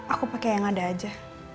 aku pakai yang ada aja